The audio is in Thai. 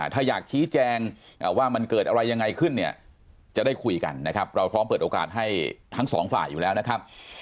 ถ้าอยากชี้แจงว่ามันเกิดอะไรยังไงขึ้นเนี่ยจะได้คุยกันนะครับเราพร้อมเปิดโอกาสให้ทั้งสองฝ่ายอยู่แล้วนะครับ